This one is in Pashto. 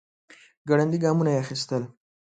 ګړندي ګامونه يې اخيستل.